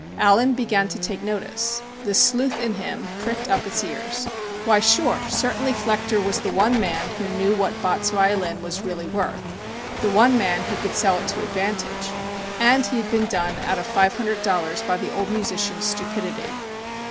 Allen began to take notice. The sleuth in him pricked up its ears. Why, sure, certainly, Flechter was the one man who knew what Bott's violin was really worth the one man who could sell it to advantage and he had been done out of five hundred dollars by the old musician's stupidity.